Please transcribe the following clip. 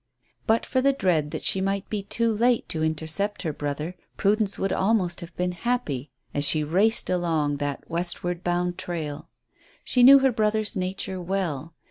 But for the dread that she might be too late to intercept her brother, Prudence would almost have been happy as she raced along that westward bound trail. She knew her brother's nature well.